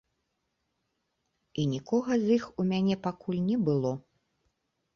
І нікога з іх у мяне пакуль не было.